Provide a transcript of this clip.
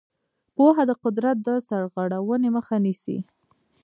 پوهه د قدرت د سرغړونې مخه نیسي.